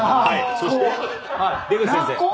そして出口先生。